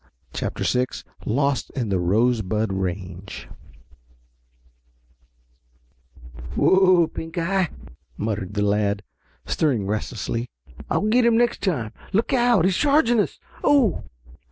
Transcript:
CHAPTER VI LOST IN THE ROSEBUD RANGE "Whoa, Pink eye!" muttered the lad, stirring restlessly. "I'll get him next time. Look out, he's charging us. Oh!"